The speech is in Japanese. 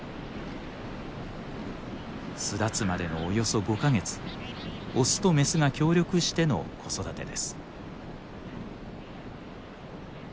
巣立つまでのおよそ５か月オスとメスが協力しての子育てです。